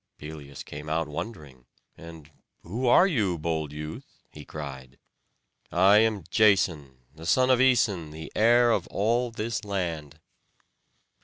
Pelias came out wondering, and "Who are you, bold youth?" he cried. "I am Jason, the son of Æson, the heir of all this land."